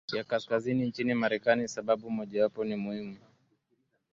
ya kaskazini nchini Marekani Sababu mojawapo muhimu